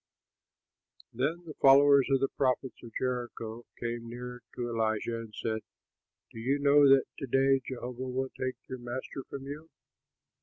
Then the followers of the prophets at Jericho came near to Elisha and said, "Do you know that to day Jehovah will take your master from you?"